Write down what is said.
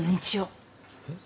えっ？